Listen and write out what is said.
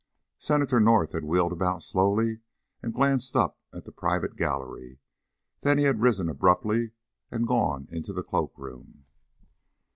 Senator North had wheeled about slowly and glanced up at the private gallery. Then he had risen abruptly and gone into the cloak room.